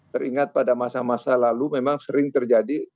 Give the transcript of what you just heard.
teringat pada masa masa lalu memang sering terjadi